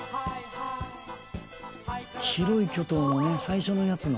『白い巨塔』のね最初のやつの。